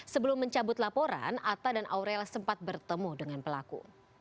sebelum mencabut laporan atta dan aurella sempat bertemu dengan pelaku